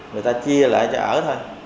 người ta chia lại cho ở thôi